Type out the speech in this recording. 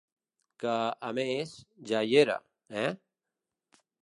Que, a més, ja hi era, eh?